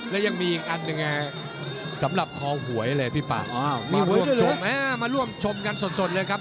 และยังมีอีกอันหนึ่งสำหรับคอหวยเลยพี่ป่ามาร่วมชมมาร่วมชมกันสดเลยครับ